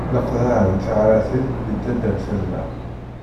Nneqḍaɛent teɣratin deg taddart-nneɣ.